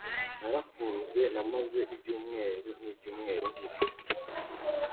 narakunze namaze ibyumweru n ibyumweru ndira